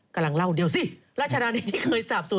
กำลังเล่าเดียวสิราชธานีที่เคยสาบสูด